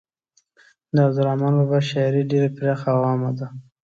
د عبدالرحمان بابا شاعري ډیره پراخه او عامه ده.